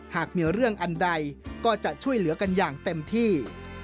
หากมีเรื่องอันใดก็จะช่วยเหลือกันอย่างเต็มที่